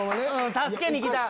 助けに来た！